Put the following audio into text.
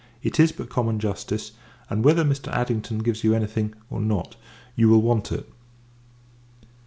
It is but common justice; and, whether Mr. Addington gives you any thing, or not, you will want it.